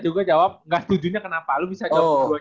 lu bisa jawab ga setujunya kenapa lu bisa jawab dua nya